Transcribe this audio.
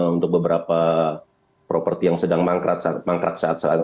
untuk beberapa properti yang sedang mangkrak mangkrak saat saat